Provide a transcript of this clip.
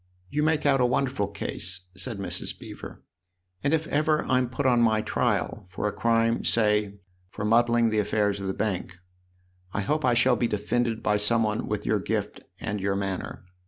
"You make out a wonderful case," said Mrs. Beever, " and if ever I'm put on my trial for a crime say for muddling the affairs of the Bank I hope I shall be defended by some one with your gift and your manner.